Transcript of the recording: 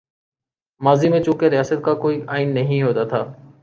ماضی میں چونکہ ریاست کا کوئی آئین نہیں ہوتا تھا۔